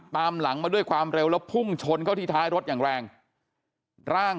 ตามหลังมาด้วยความเร็วแล้วพุ่งชนเข้าที่ท้ายรถอย่างแรงร่าง